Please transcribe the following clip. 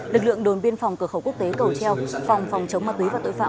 lực lượng đồn biên phòng cửa khẩu quốc tế cầu treo phòng phòng chống ma túy và tội phạm